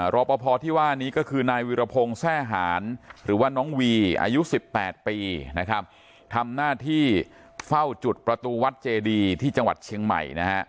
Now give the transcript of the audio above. รอปภที่ว่านี้ก็คือนายวิรพงศ์แทร่หารหรือว่าน้องวีอายุ๑๘ปีนะครับทำหน้าที่เฝ้าจุดประตูวัดเจดีที่จังหวัดเชียงใหม่นะฮะ